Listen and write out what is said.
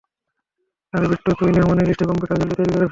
আর বিট্টো, তুই মেহমানের লিস্ট কম্পিউটারে জলদি তৈরি করে ফেল।